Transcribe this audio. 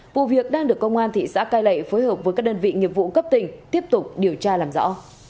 vụ việc đang được công an thị xã cai lệ phối hợp với các đơn vị nghiệp vụ cấp tỉnh tiếp tục điều tra làm rõ